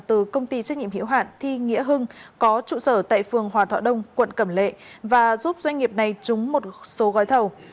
từ công ty trách nhiệm hiệu hạn thi nghĩa hưng có trụ sở tại phường hòa thọ đông quận cẩm lệ và giúp doanh nghiệp này trúng một số gói thầu